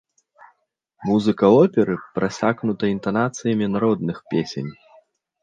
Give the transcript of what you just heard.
Музыка оперы прасякнута інтанацыямі народных песень.